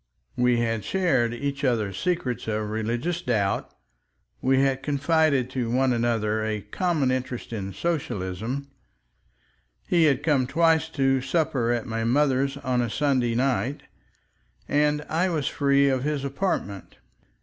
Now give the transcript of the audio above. We had shared each other's secret of religious doubt, we had confided to one another a common interest in Socialism, he had come twice to supper at my mother's on a Sunday night, and I was free of his apartment.